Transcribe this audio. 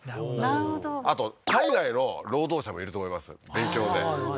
なるほどあと海外の労働者もいると思います勉強でああー